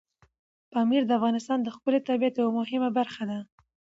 پامیر د افغانستان د ښکلي طبیعت یوه مهمه برخه ده.